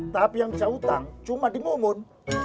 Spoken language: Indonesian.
tapi yang jauh tang cuma di momun